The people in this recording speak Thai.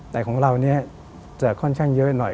แต่ของเราเนี่ยจะค่อนข้างเยอะหน่อย